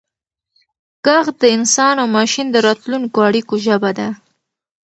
ږغ د انسان او ماشین د راتلونکو اړیکو ژبه ده.